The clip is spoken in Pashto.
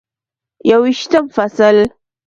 یوویشتم فصل: